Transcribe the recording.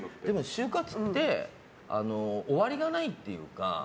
終活って終わりがないっていうか。